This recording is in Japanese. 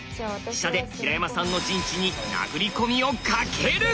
飛車で平山さんの陣地に殴り込みをかける！